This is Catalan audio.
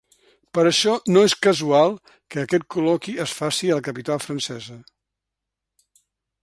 Per això no és casual que aquest col·loqui es faci a la capital francesa.